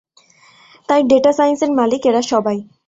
তাই ডেটা সাইন্সের মালিক এরা সবাই।